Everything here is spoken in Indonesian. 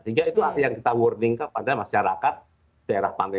sehingga itu yang kita warning ke padan masyarakat daerah pantai